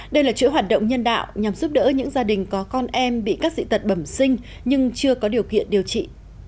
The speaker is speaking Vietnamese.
đây là chuỗi hoạt động nhân đạo nhằm giúp đỡ những gia đình có con em bị các dị tật bẩm sinh nhưng chưa có điều kiện điều trị